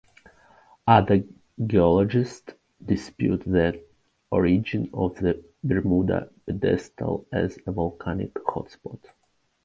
Other geologists dispute the origin of the Bermuda Pedestal as a volcanic hotspot.